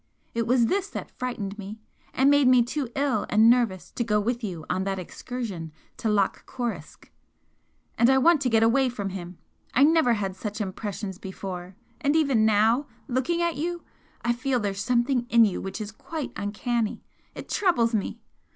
It was this that frightened me, and made me too ill and nervous to go with you on that excursion to Loch Coruisk. And I want to get away from him! I never had such impressions before and even now, looking at you, I feel there's something in you which is quite "uncanny," it troubles me!